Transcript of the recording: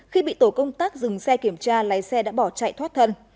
khi bị tổ công tác dừng xe kiểm tra lái xe đã bỏ chạy thoát thân